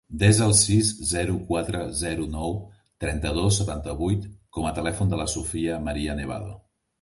Desa el sis, zero, quatre, zero, nou, trenta-dos, setanta-vuit com a telèfon de la Sofia maria Nevado.